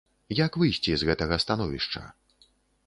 Як выйсці з гэтага становішча?